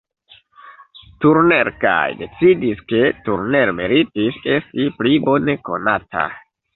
Turner kaj decidis ke Turner meritis esti pli bone konata.